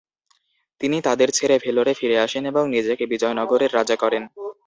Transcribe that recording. তিনি তাদের ছেড়ে ভেলোরে ফিরে আসেন এবং নিজেকে বিজয়নগরের রাজা করেন।